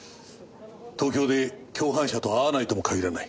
東京で共犯者と会わないとも限らない。